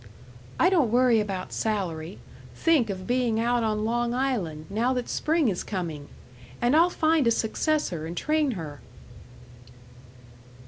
"I don't worry about salary. Think of being out on Long Island, now that spring is coming! And I'll find a successor and train her."